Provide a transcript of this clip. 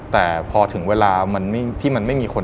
แต่พอถึงเวลาที่มันไม่มีคน